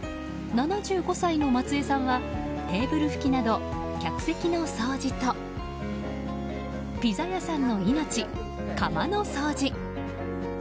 ７５歳の松江さんはテーブル拭きなど客席の掃除とピザ屋さんの命、窯の掃除。